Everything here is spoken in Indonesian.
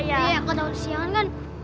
iya kalau takut kesiangan kan